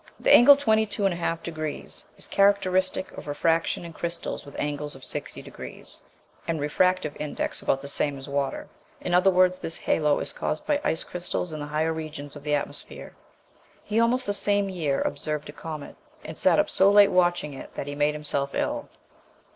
The angle 22 1/2° is characteristic of refraction in crystals with angles of 60° and refractive index about the same as water; in other words this halo is caused by ice crystals in the higher regions of the atmosphere. He also the same year observed a comet, and sat up so late watching it that he made himself ill.